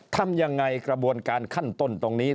ทำยังไงกระบวนการขั้นต้นตรงนี้